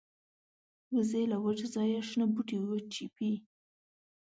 وزې له وچ ځایه شنه بوټي وچيبي